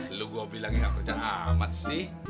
ya lo gue bilang yang kerja amat sih